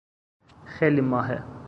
خیلی ماهه